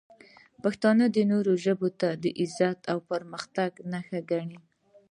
پښتانه نورو ژبو ته د عزت او پرمختګ نښه ګڼي.